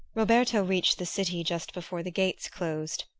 Roberto reached the city just before the gates closed.